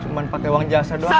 cuma pakai uang jasa doang